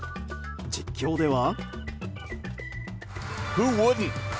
実況では。